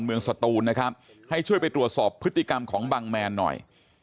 สตูนนะครับให้ช่วยไปตรวจสอบพฤติกรรมของบังแมนหน่อย